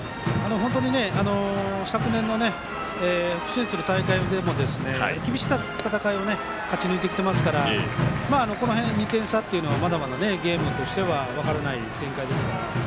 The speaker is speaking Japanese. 本当に、昨年の大会でも厳しい戦いを勝ち抜いてきていますからこの辺２点差というのはゲームとしては分からない展開ですから。